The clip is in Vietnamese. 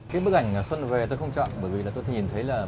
cái bức ảnh xuân về tôi không chọn bởi vì là tôi nhìn thấy là